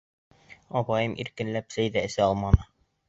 Апайым иркенләп сәй ҙә эсә алманы.